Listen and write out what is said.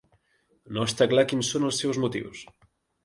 No està clar quins són els seus motius.